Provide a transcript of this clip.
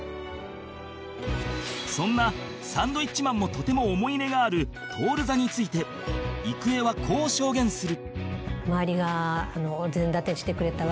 そんなサンドウィッチマンもとても思い入れがある徹座について郁恵はこう証言する